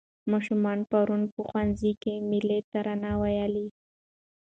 ماشومانو پرون په ښوونځي کې ملي ترانه وویله.